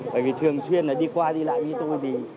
bởi vì thường xuyên là đi qua đi lại như tôi thì